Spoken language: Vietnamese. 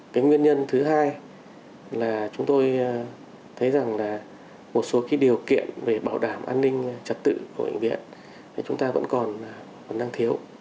cái nguyên nhân thứ hai là chúng tôi thấy rằng là một số điều kiện về bảo đảm an ninh trật tự của bệnh viện thì chúng ta vẫn còn đang thiếu